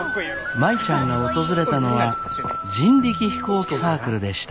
舞ちゃんが訪れたのは人力飛行機サークルでした。